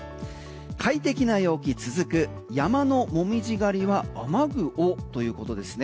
快適な陽気続く山の紅葉狩りは雨具をということですね。